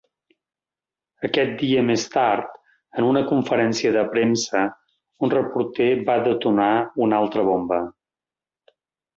Aquest dia més tard, en una conferència de premsa, un reporter va detonar una altra bomba.